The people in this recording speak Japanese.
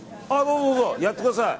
どうぞ、やってください。